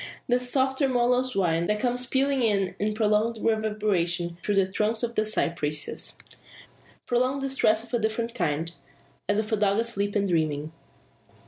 The soft tremulous whine, that comes pealing in prolonged reverberation through the trunks of the cypresses, proclaims distress of a different kind as of a dog asleep and dreaming!